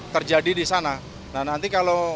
terjadi disana nah nanti kalau